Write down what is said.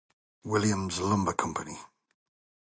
Williams Lumber Company.